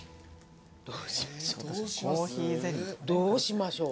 どうしましょう。